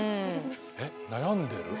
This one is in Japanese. えっ悩んでる？